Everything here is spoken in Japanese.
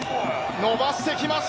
伸ばしてきました！